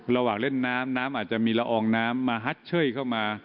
ระหว่างเล่นน้ำน้ำอาจจะมีละอองน้ำมาฮัดเชยเข้ามา